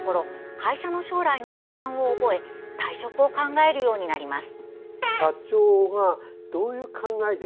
会社の将来に不安を覚え退職を考えるようになります。